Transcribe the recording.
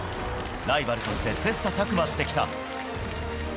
ライバルとして切さたく磨してきた。